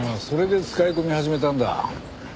それで使い込み始めたんだ。